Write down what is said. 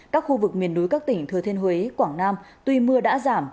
các khu vực miền núi các tỉnh thừa thiên huế quảng nam tuy mưa đã giảm